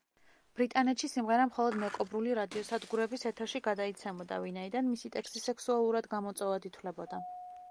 ბრიტანეთში სიმღერა მხოლოდ მეკობრული რადიოსადგურების ეთერში გადაიცემოდა, ვინაიდან მისი ტექსტი სექსუალურად გამომწვევად ითვლებოდა.